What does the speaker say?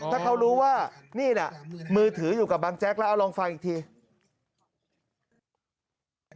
ถ้าเขารู้ว่านี่แหละมือถืออยู่กับบังแจ๊กแล้วเอาลองฟังอีกที